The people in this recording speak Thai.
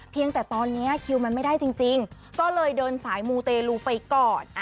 แต่ตอนนี้คิวมันไม่ได้จริงก็เลยเดินสายมูเตลูไปก่อน